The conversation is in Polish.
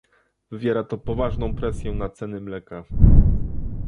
Wywiera to poważną presję na ceny mleka